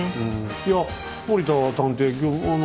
いや森田探偵